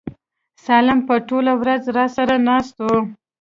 سالم به ټوله ورځ راسره ناست و.